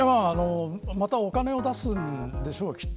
またお金を出すんでしょうきっと。